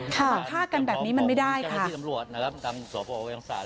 มาฆ่ากันแบบนี้มันไม่ได้ค่ะ